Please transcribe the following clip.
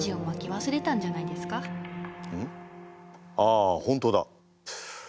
ああ本当だ。